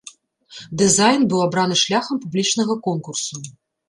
Дызайн быў абраны шляхам публічнага конкурсу.